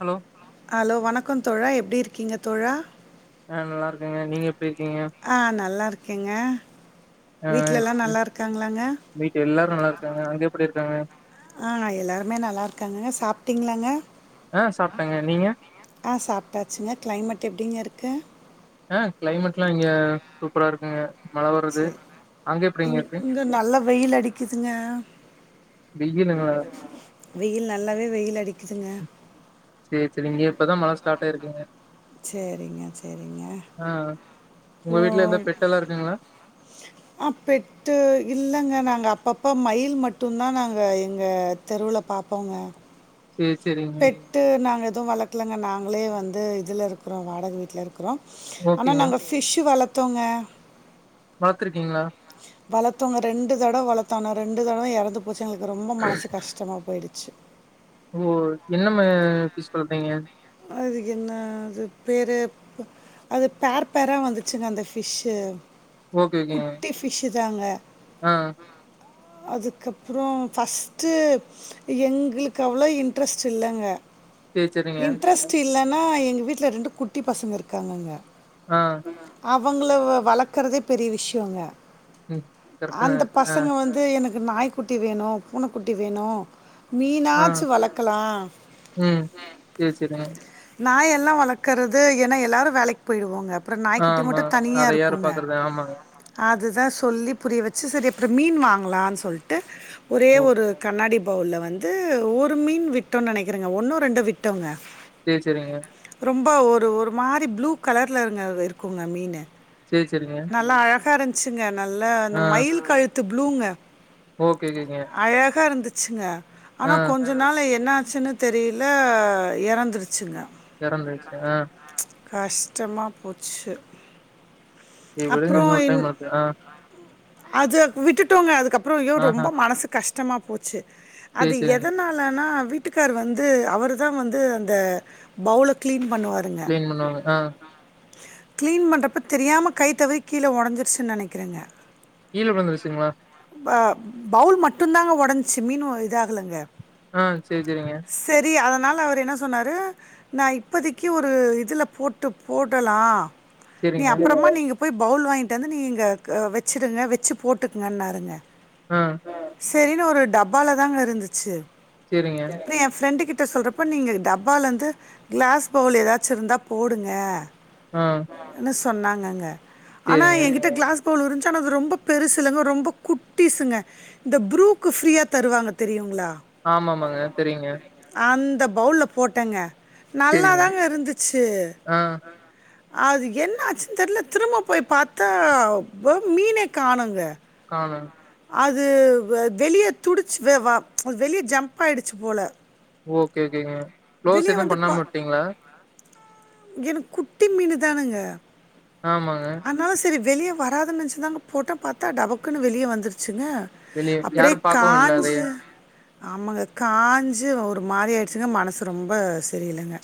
Hello hello வணக்கத் தோழா எப்டி இருக்கீங்க தோழா? நா நல்லாருக்கங்க நீங்க எ ஆ நல்லாருக்கேங்க ஆ வீட்லல்லா சரி, நல்லாருக்காங்ளாங்க? வீட்ல எல்லாரு நல்லா இருக்காங்க அங்க எப்டி இருக்காங்க ஆ எல்லாருமே நல்லாருக்காங்க சாப் டிங்ளாங்க ஆ சாப்ட்டேங்க நீங்க ஆ சாப்டாச்சுங்க கிளைமட் எப்டிங்க இரு க்கு ஆ கிளைமட்லா இங்க சூப்பரா இருக்குங்க மழ வருது செரி அங்க எப்டிங்க இ‌ங்க இருக்கு இங்க நல்ல வெயில் அடிக்குதுங்க வெயிலுங்களா வெயில் நல்லாவே வெயில் அடிக்குதுங்க சேரி சேரி இங்க இப்பதா மழ ஸ்டார்ட் ஆயிருக்குங்க செரிங்க செரிங்க ஆ உங்க ஓ வீட்ல எந்த பெட்டெல்லா இருக்குங்களா அ பெட்டு இல்லங்க நாங்க அப்பப் போ மயில் மட்டுந்தா நாங்க எங்க தெருவுல பாப்போங்க சேரி சேரிங்க பெட்டு நாங்க எ து வளக்லங்க நாங்களே வந்து இதுல இருக்குறோ வாடக வீட்ல இரு க்குறோ ஆனா ஓகேங்க நாங்க ஃபிஷ்ஷு வள த்தோங்க பாத்துருக்கீங்ளா வளத்தோங்க ரெண்டு தடவ வளத்தோ ஆனா ரெண்டு தடவ எறந்து போச்சு எங்ளுக்கு ரொம்ப மனசு கஷ்டமா போயிடு ச்சு ஓ என்ன மாரியான ஃபிஷ் வளத்தீங்க? அதுகென்ன அது பேரு அது பேர் பேரா வந்துச்சுங்க அந்த ஃபிஷ்ஷு ஓகே ஓகேங்க குட்டி ஆ அதுக்கப்றொ ஃபர்ஸ்ட்டு எங்ளுக்கு அவ்ளா இன்ட்ரெஸ்ட் இல்லங்க சேரி சேரிங்க இன்ட்ரெஸ்ட் இல்ல னா எங்க வீட்ல ரெண்டு குட்டி பசங்க இருக்காங்கங்க ஆ அவங் ள வளக்குறதே பெரிய விஷ்யோங்க ம் கரெக்டா அந்த ஆ பசங்க வந்து எனக் கு நாய்க்குட்டி வேணு பூனக்குட்டி வேணு ஆ மீனாச்சு வளக்கலா ம் சேரி சேரிங்க நாயெல்லா வளக்கறது ஏனா எல்லாரு வேலைக் போயிருவோங்க ஆமா அத யாரு பாக்குறது ஆமாங்க [inaudible] அதுதா சொல்லி புரிய வச்சு செரி அப்றொ‌ மீன் வாங்லான் சொல்ட்டு ஒரே ஓ ஒரு கண்ணாடி பவுல்ல வந்து ஒரு மீன் விட்டோன் நெனக்கிறேங்க ஒன்னோ ரெண்டோ விட்டோங்க சேர் செரிங்க ப ஒரு ஒரு மாரி ப்ளூ கலர்லருங்க அது இருக்குங்க மீனு சேர் நல்லா அழகா இருந் ச்சுங்க அ நல்ல அந்த ஆ மயில் க ழுத்து ப்ளூங்க ஓகே ஓகேங்க. அழகா இருந்து ச்சுங்க ஆ ஆனா கொஞ்ச நாளா என்னா ச்சுனு தெரியில எறந்துருச்சுங்க எறந்துருச்சா கஷ்டமா போச்சு சேர் விடுங்க இன்னோர் டைம் பாத்துகலா அத விட்டுட்டோங்க அதுக்கப் றொ அயோ ரொம்ப மனசு கஷ் டமா போச்சு சரி அது சரிங்க. எதனாலானா வீட்டுக்கார் வந்து அவரு தா வந்து அந்த பவுல க்ளீன் பண்ணுவாருங்க க்ளீன் பண்ணுவாங்க ஆ க்ளீன் பண்றப்ப தெரியாம கை தவறி கீழ ஒடஞ்சிருச்சுன் நெனக்கிறெங்க கீழ விழுந்துருச்சுங்ளா? ப பவுல் மட்டுந்தாங்க ஒடன்ச்சு மீன் இத ஆகலங்க ஆ செரி செரிங்க னால அவர் என்ன சொன்னாரு நா இப்பதக்கி ஒரு இதுல போட்டு போடலா நீ சரிங்க. அப்பறமா நீங்க போய் பவுல் வாங்கிட்டு வந்து நீங்க க வச்சுருங்க வச்சு போட்டுக்கங்கன்னாருங்க ஆ சேரினு ஒரு டப்பால தாங்க இருந்துச்சு சரிங்க. இல்ல ஏ ஃபிரண்டு கிட் ட சொல்றப்ப நீங்க டப்பாலந்து க்ளாஸ் பவுல் எதாச்சு இருந்தா போடுங்க ஆ ம் ன்னு சொன்னாங்கங்க ஆனா சரிங்க. எங்கிட்ட கிளாஸ் பவுல் இருந்ச்சு ஆனா அது ரொம்ப பெருசுலங்க ரொம்ப குட்டிசுங்க இந்த ப்ரூக்கு ஃப்ரீயா தருவாங்க தெரியுங்ளா ஆமாமாங்க தெரியுங்க த பவுல்ல போட்டேங்க சரிங்க. நல்லாதாங்க இருந்துச்சு ஆ அது என்னாச்சுன் தெர்ல திரும்ப போய் பாத்தா வ மீனே காணுங்க அதா அது வ வெளிய துடுச்சு வ வா அது வெளிய ஜம்ப் ஆயிடுச்சு போல ஓகே ஓகேங்க க்ளோஸ் எது பண்ணாம விட்டீங்ளா எனக் குட்டி மீனு தானுங்க ஆமாங்க வெளிய வராதுன் நெனச்சுதாங்க போட்ட பாத்தா டபக்குன்னு வெளிய வந்துருச்சு ங்க வெளிய அப்படியே யாரும் பாக்கவும் இல்ல அதைய. காஞ்சு ஆமாங்க காஞ்சு ஒரு மாரி ஆயிடுச்சுங்க மனசு ரொம்ப சரியில்லங்க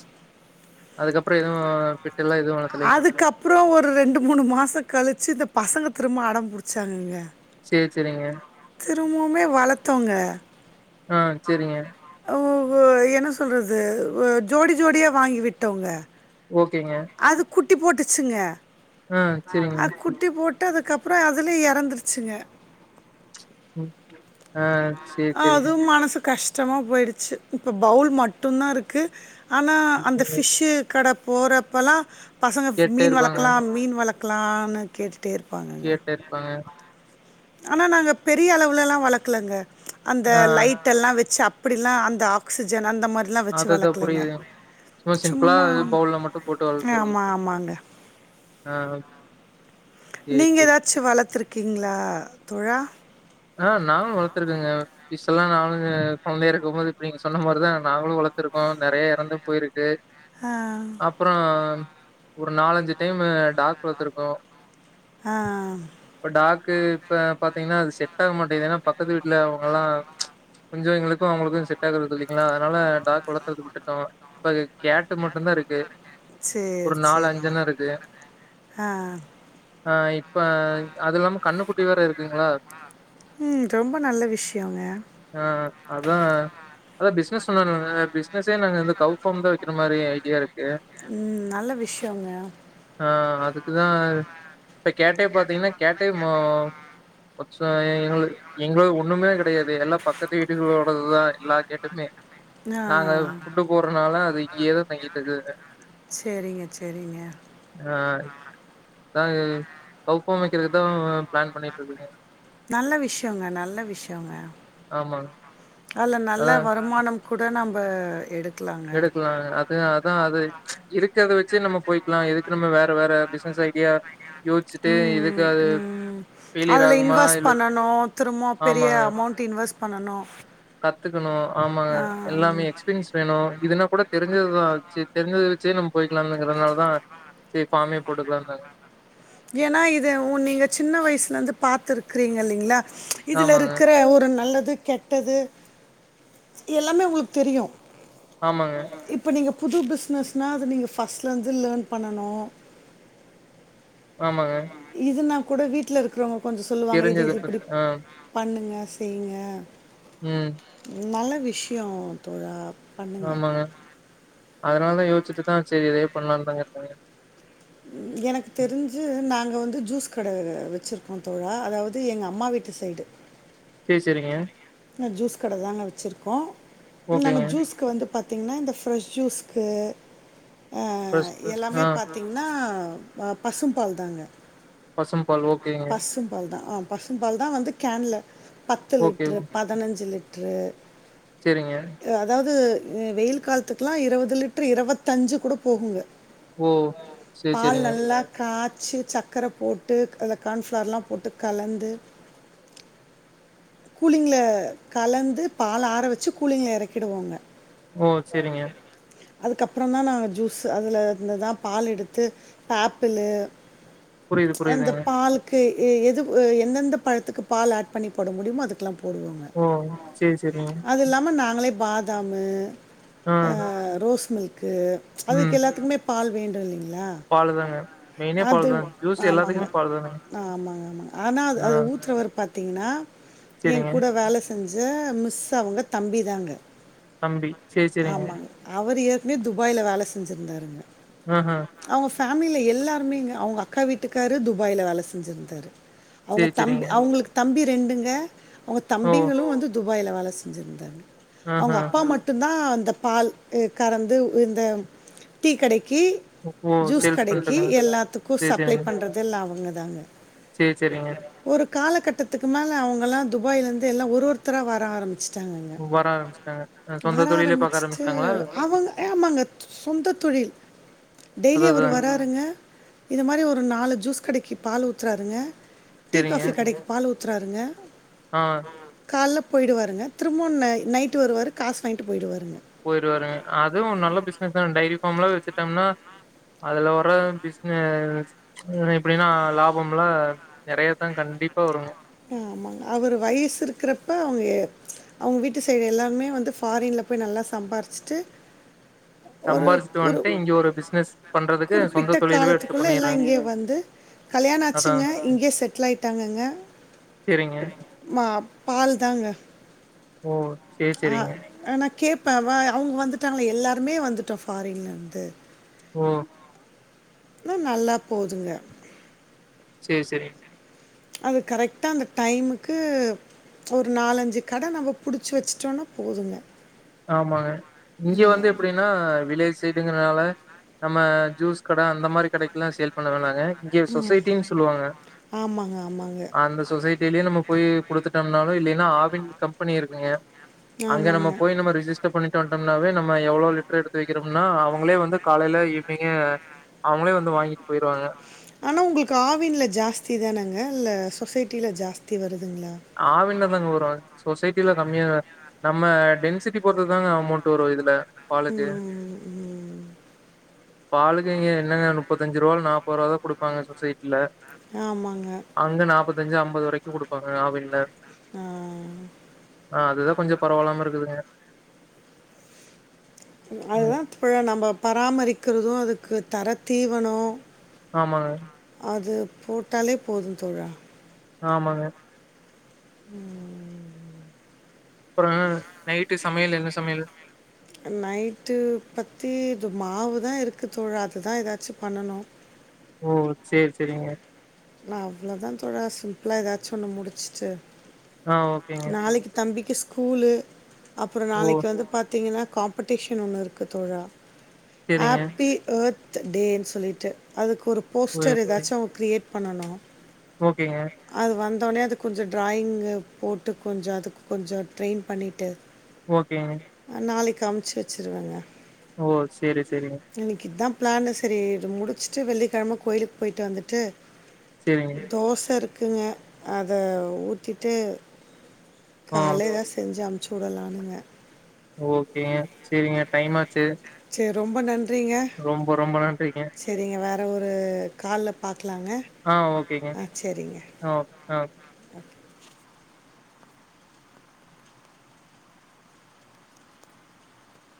அதுக்கப்புறம் எதுவும் பெட்டெல்லாம் எதுவும் வளர்த்தலைங்க. அதுக்கப்றோ ஒரு ரெண்டு மூணு மாச கழிச்சு இந்த பசங்க திரும்ப அடம் புடுச்சாங்கங்க சேர் செரிங்க திரும்பவுமே வளத்தோங்க ஆ செரிங்க ஓ என்ன சொல்றது ஜோடி ஜோடியா வாங்கி விட்டோங்க ஓகேங்க அது குட்டி போட்டுச்சுங்க ஆ சரிங்க. அ குட்டி போட் டதுகப்றொ அதுலே எறந்துருச்சுங்க ம். ஆ சேரி சேரிங்க அதுவு மனசு கஷ் டமா போயிடுச்சு இப்ப பவுல் மட்டுந்தா இருக்கு ஆனா‌ அந்த ம். ஃபிஷ்ஷு கட போறப் பலா பசங்க கேட்டே மீன் வளக்லா மீன் வளக் லானு கேட்டு கேட்ட இருப்பாங்க ஆனா நாங்க பெரிய அளவுலல்லா வளக்லங்க அந்த ஆ லைட்டெல்லா வச்சு அப் புடில்லா அந்த ஆக்சிஜன் அந்த மார்லா வச்சு அததா வளக்லங்க புரியுதுங்க சிம்பிளா சும்மா பவுல்ல மட்டு போட்டு வளர்த்துருக்கீங்க ஆமா ஆமாங்க ஆ சேரி நீங்க சேரி எதாச்சு வளத்துரு க்கிங்ளா தோழா ஆ நானு வளத்துருக்கங்க ஃபிஷ் எல்லா நானுங்க கொழந்தையா இருக்கும் போது இப்ப நீங்க சொன்ன மாரிதா நாங்களு வளத்துருக்கோ நெறைய எறந்து போயிருக்கு ஆ அப்புறோ ஒரு நாலஞ்சு டைமு டாக் வளத்துருக்கோ ஆ இப்ப டாக் க்கு இப்ப பாத்தீங்கனா அது செட் டாகமாட்டெங்து ஏனா பக்கத்து வீட்ல அவுங்கலா கொஞ்சொ எங்களுக்கு அவுங்ளுக்கு செட் ஆகுறதில்லைங்ளா அதுனால டாக் வளத்துறது விட்டுட்டோ இப்ப கேட்டு மட் ந்தருக்கு சரி ஒரு நாலு சரி அஞ்சல்லா இருக்கு ஆ ஆ இப்ப அது இல்லாம கன்னுக்குட்டி வேற இருக்குங்ளா ம் ரொம்ப நல்ல விஷயங்க ஆ அதான் அதா பிஸ்னஸ் [unintelligible] பிஸ்னஸே நாங்க வந்து கவ் ஃபார்ம் தா‌ வக்கிற மாரி ஐடியா இரு க்கு ம் நல்ல விஷயங்க ஆ அதுக்குதா இப்ப கேட்ட பாத்தீங்கனா கேட்டே மோ போச்சு த எங்களு எங்கள் ஒன்னுமே கெடயாது எல்லா பக்கத்து வீடுகளோடதுதா எல்லா கேட்டுமே ஆ நாங்க ஃபுட்டு போட்றனால அது இங்கயேதா தங்கிட்ருக்குதுங்க சரிங்க சரிங்க ஆ நாங்க கவ் ஃபார்ம் வக்கிறதுதா நல்ல விஷ்யொங்க நல்ல விஷ்யொங்க ஆமாங்க. அல்ல நல்ல அதான் வருமானம் கூட நம்ப எடு எடுக்கலா அது அதா அது இருக்கிறத வச்சு நம்ம போய்க்லா எதுக்கு நம்ம வேற வேற பிஸ்னஸ் ஐடியா யோசிச்சுட்டு இதுக்கு ம் அது ம் ஃபெய்லியர் அதுல ஆகுமா இன்வெஸ்ட் இல்ல பண்ணனு திரும்ப பெரிய அமௌண்ட்டு இன்வெஸ்ட் பண்ணனு கத்துக்கணு ஆமாங்க எல்லாமே எக்ஸ்பீரியன்ஸ் வேணு இதுனா கூட தெரிஞ்சதுதா வச்சு தெரிஞ்சத வ ச்சே நம் போய்க்கலானுங்குறனாலதா சே ஃபாமே போட்டுக்லான்தாங்க ஏனா இது உ நீங்க சின்ன வயசுலந்து பாத்து இருக்குறீங்க இல்லிங்ளா இதுல ஆமாங்க, இருக்குற ஒரு நல்ல து கெட்டது எல்லாமே உங்ளுக் தெரியு ஆமாங்க, இப்ப நீங்க புது பிஸ்னஸ்னா அது நீங்க ஃபஸ்லந்து லேர்ன் பண்ணணு ஆமாங்க கூட வீட்ல இருக்குறவுங்க கொஞ்சொ சொல்லுவாங்க இது தெரிஞ்சது இது பத் இப்டி ஆ, பண்ணுங்க செய்ங்க ம். நல்ல விஷ்யோ தோழா பண்ணுங்க நாமாங்க அதனாலதா யோசச்சிட்டுதா சேரி இதே பண்ணலானு தாங்க இருக்கே எனக்கு தெருஞ்சு நாங்க வந் து ஜூஸ் கட வச்சிருக்கோ தோழா அதாவது எங்க அம்மா வீட்டு சைடு சே சேரிங்க இ ஜூஸ் கட தாங்க வச்சுருக்கோ நாங்க ஓகேங்க. ஜூஸ்க்கு வந்து பா த்தீங்கன்னா இந்த ஃப்ரெஷ் ஜூஸ்க்கு ஆ ஃபர்ஸ்ட் எல்லாமே ஆ பாத்திங்கன்னா வ பசும் பால் தாங்க பசும்பால் ஓகேங்க. பசும் பால் தா ஆம் பசும் பால்தா வந்து கேன்ல பத்து ஓகே. லிட்ரு பதினஞ்சு லிட் சரிங்க. ட்டுரு அதாவது ஏ வெயில் காலத்துக்கெல்லா இருவது லிட்டர் இருவத்தஞ்சு கூட போகுங்க ஓ சே சேரிங்க ச்சு சக்கர போட்டு கான்ஃபிளார்லா போட்டு கலந்து கூலிங்ல கலந்து பால் ஆரவச்சு கூலிங்ல இறக்கிடுவோங்க ஓ சேரிங்க அதுக்கப்புறோதா நாங்கள் ஜூஸ் அதிலருந்துதா பால் எடுத்து பாப்பிள்ளு புரியுது அந்த புரியுதுங்க பால்க்கே ஏ எது எந்தெந்த பழத்துக்கு பால் ஆட் பண்ணி போட முடியுமோ அ துக்குலா போடுவாங்க ஓ சேரி சேரிங்க அதுல்லாம நாங்களே பாதாமு ஆ அ ரோஸ் மில்க் க்கு ம் அதுக்கு எல்லாத்துக்குமே பால் வேண்டு இல்லைங்க ளா பாலு தாங்க மெயினே அது பால் தாங்க ஜூஸ் ஆமாங்க எல்லாத்துக்குமே பால் தானுங்க ஆமாங்க ஆமாங்க ஆனா ஆ அது அ ஊத்தற ஒரு பத தீன்னா எ சேரிங்க கூட வேலை செய் செஞ்ச மிஸ் அவங்க தம்பி தாங்க தம்பி சேரி சரிங்க [unintelligible] துபாயில வேல செஞ்சுருந்தாருங்க ஆ ஹ ஃபேமிலில எல்லாருமே அவங்க அக்கா வீட்டுக்காரு துபாயில வேல செஞ்ஜிருந்தாரு அவங்க சேரி தம்பி சேரிங்க அவங்களுக்கு தம்பி ரெண்டுங்க அவங்க ஓ தம்பிங்களு வந்து து துபாய்ல வேல செஞ்சுருந்தாங்க அவங்க ஆஹா அப்பா மட்டுந் தா இந்த பால் கறந்து இந்த டீ கடைக் கி ஓ ஜூஸ் சேல்ஸ் கடைக்கு பண்ட்ருக்காங்க எல்லாத்துக்கு சேரி சப்ளை சேரிங்க பண்றது இல்ல அவங்க தாங்க சேரி சேரிங்க ஒரு காலகட்டத்துக்கு மேல அவங்களா துபாய்ல இருந்து எல்லா ஒரு ஒருத்தரா வர ஆரம்பிச்சு டாங்கங்க வர ஆரம்பிச்சுட்டாங்க அ சொந்த வர தொழிலே பாக்க ஆரம்பிசிட்டு ஆரம்பிச்சுட்டாங்களா அவங்க ஆமாங்க சொந்த தொழில் டெய்லி அதா அவரு அதா வராருங்க இத மாரி ஒரு நாலு ஜூஸ் கடைக்கு பால் ஊத்துறாருங்க டீ சேரிங்க காஃபி கடைக்கு பால் ஊத் த்றாருங்க ஆ போயிடுவாருங்க திரும்பவு ந நைட்டு வருவாரு காசு வாங்கிட்டு போயிடுவாரு போயிருவாருங்க அதுவு நல்ல பிசினஸ் தா டைரி இப்பம்லா வச்சுட்டோம்னா அதுல வர பிஸ்னஸ் எப்டின்னா லாபம்ல நெறையா தா கண்டிப்பா வருங்க ஆமாங்க அவரு வயசு இருக்கிறப்ப அவங்க அவங்க வீட்டு சைடு எல்லாருமே வந்து ஃபாரின்ல போய் நல்லா சம்பாரிச்சுட்டு ஒரு சம்பாரிச்சுட்டு ஒரு வந்ட்டு இங்க ஒரு பிசினஸ் பண்றதுக்கு குறிப்பிட்ட சொந்த தொழிலவே எடுத்து காலத்துக்குள்ள எல்லா பண்ணிறேங்க இங்கேயே வந்து கல்யாண அதா ஆச்சுங்க இங்கயே செட்டில் ஆயிட்டாங்கங்க சேரிங்க அப் பால் தாங்க ஓ சேரி ஆ சேரிங்க ஆனா கேப் இப்ப வ அவங்க வந்துட்டாங்க எல்லாருமே வந்துட்டோ ஃபாரின்ல இருந்து ஓ ஆனா நல்லா போதுங்க சேரி செரிங் அது கரெக்டா அந்த டைமுக்கு ஒரு நாலஞ்சு கட நம்ம புடிச்சு வச்சுட்டோம்னா போதுங்க ஆமாங்க இங்க வந்து எப்டின்னா வில்லேஜ் சைட் அப்டிங்கறனால நம்ம ஜூஸ் கடை அந்த மாரி கடைக்குலா சேல் பண்ண வேணாங்க இங்க ம் சொசைட்டின்னு சொல்லுவாங்க ஆமாங்க ஆமாங்க அந்த சொசைட்டிலயே நம்ம போய் குடுத்துட்டோம்னாலு இல்லன்னா ஆவின் கம்பெனி இருக்குங்க ஆமாங்க ம்ம ரிஜிஸ்டர் பண்ணிட்டு வந்டோம்னாவே நம்ம எவ்வளோ லிட்டர் எடுத்து வக்கிறோம்னா அவங்களே வந்து காலையில ஈவினிங்கு அவங்களே வந்து வாங்கிட்டு போயிருவாங்க ஆனா உங்களுக்கு ஆவின்ல ஜாஸ்தி தானங்க இல்ல சொசைட்டில ஜாஸ்தி வருது ஆவின்ல தாங்க வரு சொசைட் டில கம்மியா நம்ம டென்சிட்டி பொருத்து தாங்க அமௌண்ட் வரு இதுல பாலுக்கு ம் ம் பாலுக்கு இங்க என்னங்க முப்பத்தஞ்சு திருவால் நாப்ப ருவாதா குடுப்பங்க சொசைட் ட்ல்ல ஆமாங்க அங்க நாபத் வஞ்சு ஐம்பது வரைக்கு குடுப்பாங்க ஆவின் இல்ல ஆ. ஆ அதுதா கொஞ்ச பரவாயில்லாம இருக்குதுங்க ம் அதுதா பிழ நம்ம பராமரிக்கிறது அதுக்கு தரத்தீவனொ ஆமாங்க அது போட்டாலே போது தோழா ஆமாங்க உ அப்பறோ நைட்டு சமையல் என்ன சமையல் நைட்டு பத்தி இது மாவுதா இருக்கு தோழா அதுதா ஏதாச்சு பண்ணனு ஓ செரி செரிங்க நா அவ்ளோதா தோழா சிம்பிளா ஏதாச்சு ஒண்ணு முடிச்சிட்டு ஆ ஓகேங்க நாளைக்கு தம்பி கு ஸ்கூலு அப்பறோ ஓ நாளைக்கு வந்து பாத்தீங்கன்னா காம்ப்படிஷன் ஒன்னு இருக்கு தோழா சேரிங்க ஹாப்பி பே டேன்னு சொல்லிட்டு அதுக்கு ஒரு போஸ்டர் ஏதாச்சு கிரெயேட் பண்ணணு ஓகேங்க வந்தோனே அது கொஞ்ச டிராயிங் போட்டு கொஞ்ச அதுக்கு கொஞ்ச ட்ரெயின் பண்ணிட்டு ஓகேங்க. நாளைக்கு காமிச்சி வச்சுருவேங்க ஓ செரி-செரிங்க பிளானு செரி இத முடிச்சுட்டு வெள்ளிக்கெலம கோயிலுக்கு போயி்ட்டு வந்துட்டு சரிங்க. தோச இருக்கு இருக்குங்க அத ஊத்திட்டு ஆ கால எதா செஞ்சோ சுடலானுங்க ஓகேங்க செரிங்க டைமாச்சு ரொம்ப நன்றி ரொம்ப-ரொம்ப நன்றிங்க வேறு ஒரு கால்ல பாக் ஆ ஓகேங்க ஆ-ஆ